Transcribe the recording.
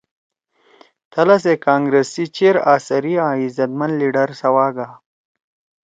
تَھلا سے کانگرس سی چیر آثری آں عزت مند لیڈر سوا گا